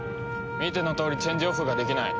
見てのとおりチェンジオフができない。